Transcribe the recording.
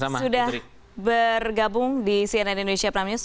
sudah bergabung di cnn indonesia prime news